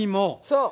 そう。